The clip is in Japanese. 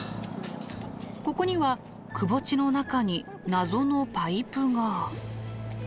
ここには窪地の中に謎のパイプが。